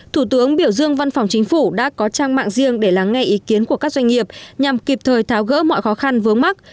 thủ tướng biểu dương văn phòng chính phủ đã có trang mạng riêng để lắng nghe ý kiến của các doanh nghiệp nhằm kịp thời tháo gỡ mọi khó khăn vướng mắt